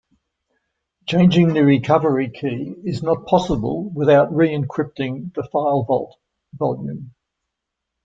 Changing the recovery key is not possible without re-encrypting the File Vault volume.